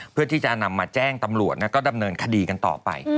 เพื่อที่จะนำมาแจ้งตำรวจแล้วก็ดำเนินคดีกันต่อไป